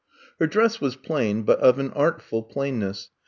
Her dress was plain, but of an artful plainness.